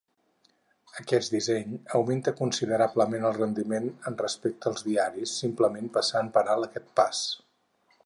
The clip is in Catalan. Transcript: Aquest disseny augmenta considerablement el rendiment amb respecte als diaris, simplement passant per alt aquest pas.